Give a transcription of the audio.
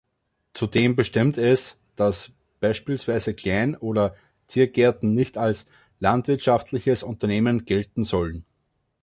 Zudem bestimmt es, dass beispielsweise Klein- oder Ziergärten nicht als "landwirtschaftliches Unternehmen" gelten sollen.